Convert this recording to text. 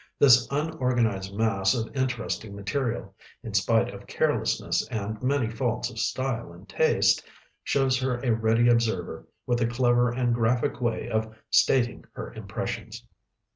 This unorganized mass of interesting material, in spite of carelessness and many faults of style and taste, shows her a ready observer, with a clever and graphic way of stating her impressions.